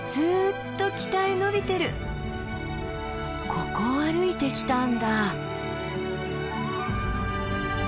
ここを歩いてきたんだ。